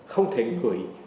không thể gửi ra